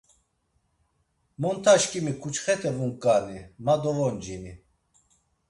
Montanaşǩimi ǩuçxete vunǩani, ma dovoncini.